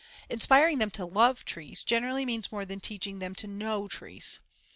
Inspiring them to love trees generally means more than teaching them to know trees.